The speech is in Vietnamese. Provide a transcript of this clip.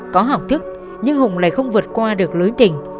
có học thức nhưng hùng lại không vượt qua được lối tình